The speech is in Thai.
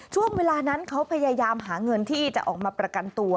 ช่วงเวลานั้นเขาพยายามหาเงินที่จะออกมาประกันตัว